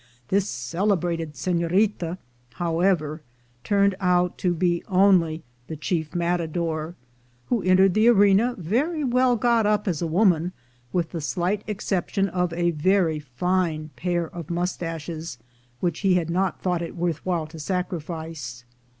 This celebrated senorita, however, turned out to be only the chief matador, who entered the arena very well got up as a woman, with the slight exception of a very fine pair of mustaches, which he had not thought it worth while to sacrifice.